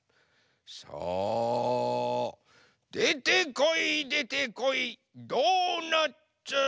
さあでてこいでてこいドーナツ！